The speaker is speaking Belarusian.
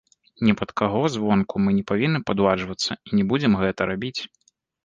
Ні пад каго звонку мы не павінны падладжвацца і не будзем гэта рабіць.